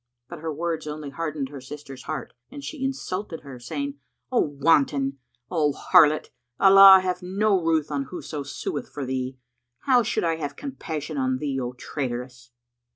But her words only hardened her sister's heart and she insulted her, saying, "O Wanton! O harlot! Allah have no ruth on whoso sueth for thee! How should I have compassion on thee, O traitress?"